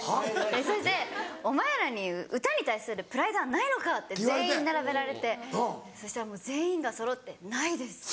それで「お前らに歌に対するプライドはないのか⁉」って全員並べられてそしたらもう全員がそろって「ないです」って。